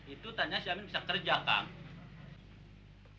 itu tanya si amin bisa kerja kang